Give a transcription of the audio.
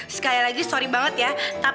sekali lagi sorry banget ya